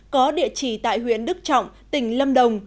có địa chỉ tại huyện đức trọng tỉnh lâm đồng